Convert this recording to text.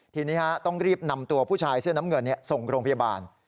ทีนี้ต้องรีบนำตัวผู้ชายเสื้อน้ำเงินส่งโรงพยาบาล